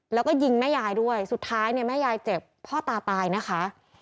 แล้วก็ยิงแม่ยายด้วยสุดท้ายเนี่ยแม่ยายเจ็บพ่อตาตายนะคะ